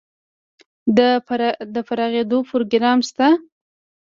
د فارغیدو پروګرام شته؟